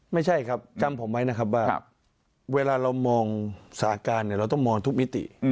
ไม่ใช่ครับจำผมไว้นะครับว่าเวลาเรามองสาการเราต้องมองทุกมิติ